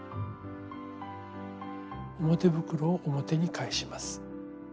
表袋を表に返します。